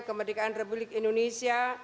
kemerdekaan republik indonesia